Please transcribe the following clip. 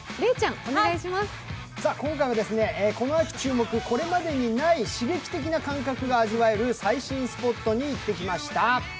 今回はこの秋注目、これまでにない新感覚が味わえる最新スポットに行ってきました。